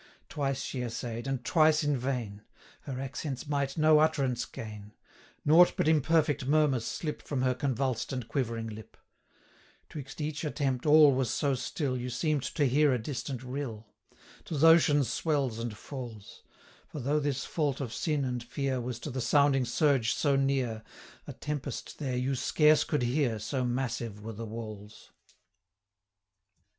470 Twice she essay'd, and twice in vain; Her accents might no utterance gain; Nought but imperfect murmurs slip From her convulsed and quivering lip; Twixt each attempt all was so still, 475 You seem'd to hear a distant rill 'Twas ocean's swells and falls; For though this vault of sin and fear Was to the sounding surge so near, A tempest there you scarce could hear, 480 So massive were the walls.